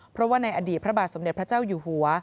เพราะว่าในอดีตพระบาทสมเด็จพระเจ้าอยู่หัว